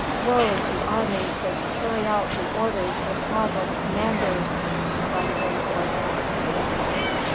"WOE TO ARMIES WHICH CARRY OUT THE ORDERS OF GODLESS COMMANDERS!" cried a great voice from the temple.